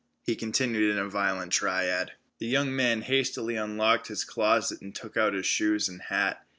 He continued in a violent tirade. The young man hastily unlocked his closet and took out his shoes and hat.